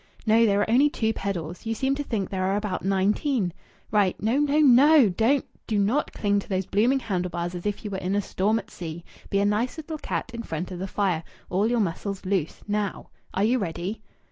No! There are only two pedals. You seem to think there are about nineteen. Right! No, no, no! Don't do not cling to those blooming handle bars as if you were in a storm at sea. Be a nice little cat in front of the fire all your muscles loose. Now! Are you ready?"